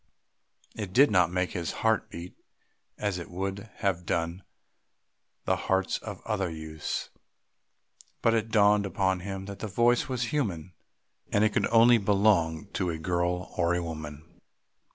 It did not make his heart beat as it would have done the hearts of other youths, but it dawned upon him that the voice was human, and that it could only belong to a girl or a woman.